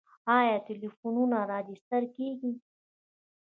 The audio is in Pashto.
آیا ټلیفونونه راجستر کیږي؟